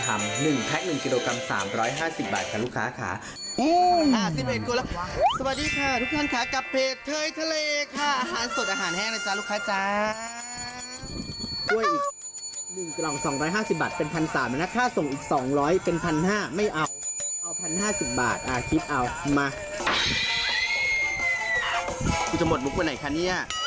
คุณหมดมุกวันไหนคะเนี่ย